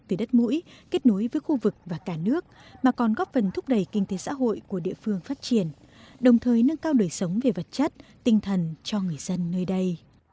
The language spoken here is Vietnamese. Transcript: từ đất mũi kết nối với khu vực và cả nước mà còn góp phần thúc đẩy kinh tế xã hội của địa phương phát triển đồng thời nâng cao đời sống về vật chất tinh thần cho người dân nơi đây